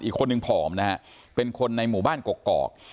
อีกคนนึงผอมนะฮะเป็นคนในหมู่บ้านกกอก